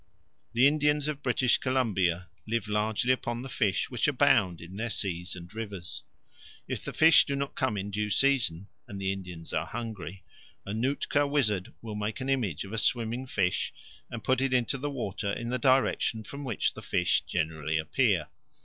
The Indians of British Columbia live largely upon the fish which abound in their seas and rivers. If the fish do not come in due season, and the Indians are hungry, a Nootka wizard will make an image of a swimming fish and put it into the water in the direction from which the fish generally appear.